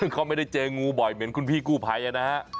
ซึ่งเขาไม่ได้เจองูบ่อยเหมือนคุณพี่กู้ภัยนะฮะ